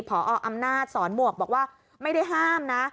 พออำนาจสอนหมวกบอกว่าไม่ได้ห้ามนะ